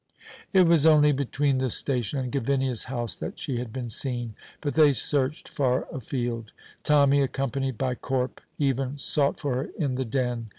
It was only between the station and Gavinia's house that she had been seen, but they searched far afield. Tommy, accompanied by Corp, even sought for her in the Den.